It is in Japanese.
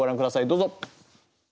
どうぞ。